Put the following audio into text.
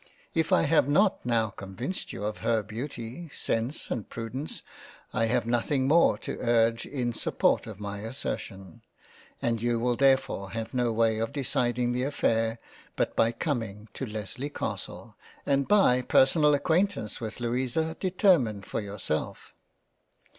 If I have not now convinced you of her Beauty, Sense and Prudence, I have nothing more to urge in support 48 £ LESLEY CASTLE jg of my assertion, and you will therefore have no way of decid ing the Affair but by coming to Lesley Castle, and by a per sonal acquaintance with Louisa, determine for yourself.